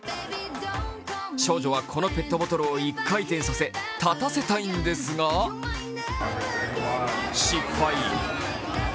少女はこのペットボトルを１回転させ立たせたいんですが、失敗。